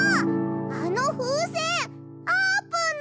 あのふうせんあーぷんの！